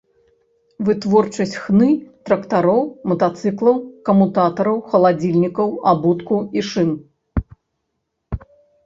Вытворчасць хны, трактароў, матацыклаў, камутатараў, халадзільнікаў, абутку і шын.